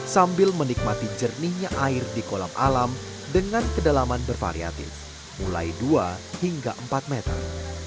sambil menikmati jernihnya air di kolam alam dengan kedalaman bervariatif mulai dua hingga empat meter